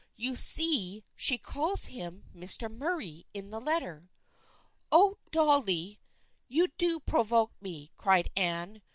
You see she calls him 4 Mr. Mur ray ' in this letter." " Oh, Dolly, you do provoke me !" cried Anne.